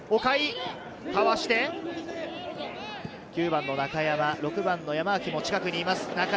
かわして、９番の中山、６番の山脇も近くにいます。